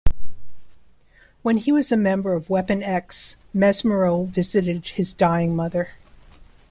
While he was a member of Weapon X, Mesmero visited his dying mother.